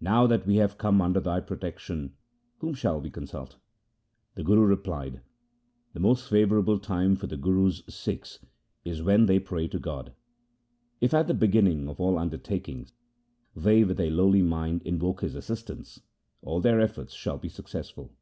Now that we have come under thy protection, whom shall we consult ?' The Guru replied, ' The most favourable time for the Guru's Sikhs is when they pray to God. If at the beginning of all undertakings they with a lowly mind invoke His assistance, all their efforts shall be successful.'